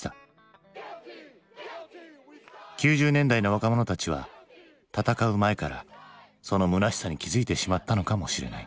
９０年代の若者たちは闘う前からそのむなしさに気付いてしまったのかもしれない。